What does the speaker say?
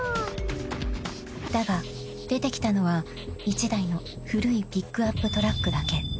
［だが出てきたのは１台の古いピックアップトラックだけ］